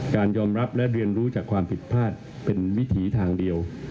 การยอมรับและเรียนรู้จากความผิดพลาดเป็นวิถีทางเดียว